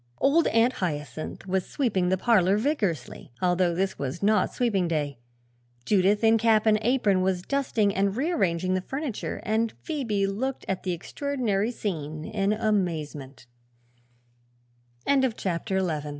Old Aunt Hyacinth was sweeping the parlor vigorously, although this was not sweeping day. Judith, in cap and apron, was dusting and rearranging the furniture, and Phoebe looked at the extraordinary scene in a